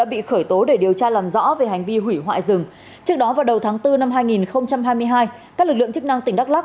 bị hủy hoại rừng trước đó vào đầu tháng bốn năm hai nghìn hai mươi hai các lực lượng chức năng tỉnh đắk lắk